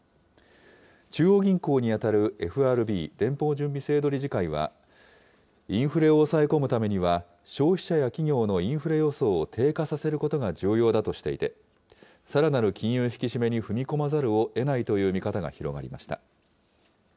中央銀行に当たるＦＲＢ・連邦準備制度理事会は、インフレを抑え込むためには、消費者や企業のインフレ予想を低下させることが重要だとしていて、さらなる金融引き締めに踏み込まざるをえないとの見方が広がりました。